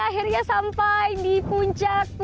yeay akhirnya sampai di puncak pulau dua